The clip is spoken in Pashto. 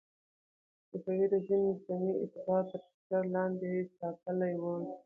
صفوي رژیم سني اتباع تر فشار لاندې ساتلي ول.